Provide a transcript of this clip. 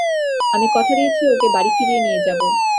আমি কথা দিয়েছি ওকে বাড়ি ফিরিয়ে নিয়ে যাবো।